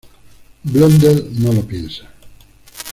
Blondel no lo piensa.